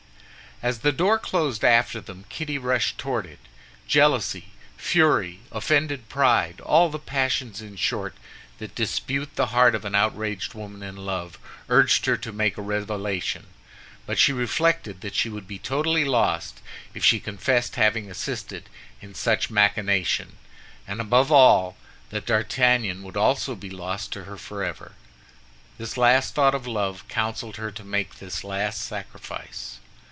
As the door closed after them Kitty rushed toward it. Jealousy, fury, offended pride, all the passions in short that dispute the heart of an outraged woman in love, urged her to make a revelation; but she reflected that she would be totally lost if she confessed having assisted in such a machination, and above all, that D'Artagnan would also be lost to her forever. This last thought of love counseled her to make this last sacrifice.